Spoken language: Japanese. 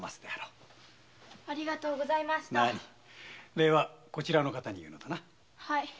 礼はこちらの方に言うのだな。